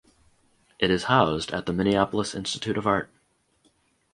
It is housed at the Minneapolis Institute of Art.